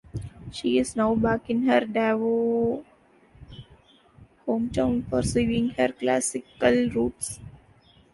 She is now back in her Davao hometown pursuing her classical roots.